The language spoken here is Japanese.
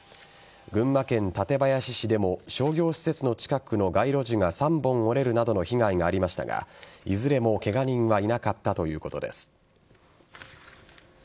群馬県館林市でも商業施設の近くの街路樹が３本折れるなどの被害がありましたがいずれもケガ人はいなかったということです。